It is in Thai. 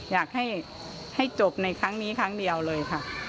อยากให้จบในครั้งนี้ครั้งเดียวเลยค่ะ